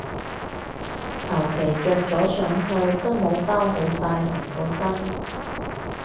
求其着咗上去都冇包好晒成個身